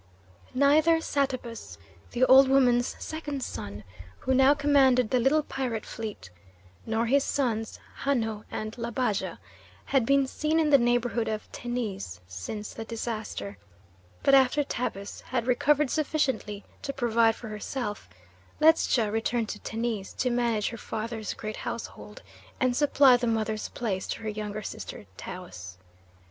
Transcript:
Neither Satabus, the old woman's second son, who now commanded the little pirate fleet, nor his sons, Hanno and Labaja, had been seen in the neighbourhood of Tennis since the disaster, but after Tabus had recovered sufficiently to provide for herself, Ledscha returned to Tennis to manage her father's great household and supply the mother's place to her younger sister, Taus.